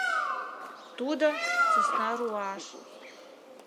Тудо — сӧсна руаш.